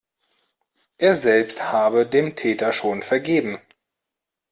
Er selbst habe dem Täter schon vergeben.